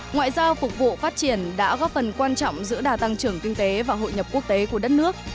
ngoại giao phục vụ phát triển đã góp phần quan trọng giữa đà tăng trưởng kinh tế và hội nhập quốc tế của đất nước